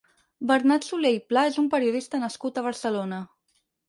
Bernat Soler i Pla és un periodista nascut a Barcelona.